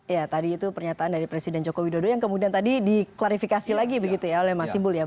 ya tadi itu pernyataan dari presiden joko widodo yang kemudian tadi diklarifikasi lagi begitu ya oleh mas timbul ya